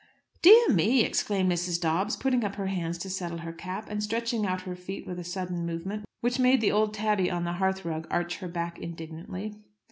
"Dear me!" exclaimed Mrs. Dobbs, putting up her hands to settle her cap, and stretching out her feet with a sudden movement which made the old tabby on the hearthrug arch her back indignantly.